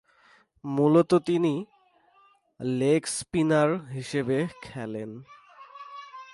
মূলতঃ তিনি leg spinner হিসেবে খেলেন।